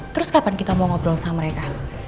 terus kapan kita mau ngobrol sama mereka